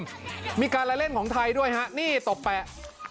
ยังมีการไร้เล่นของไทยด้วยนะฮะนี่ตบแปะ